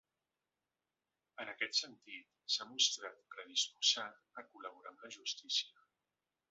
En aquest sentit, s’ha mostrat predisposat a col·laborar amb la justícia.